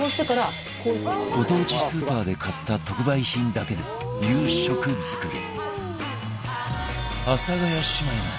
ご当地スーパーで買った特売品だけで夕食作り